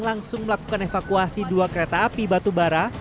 langsung melakukan evakuasi dua kereta api batu bara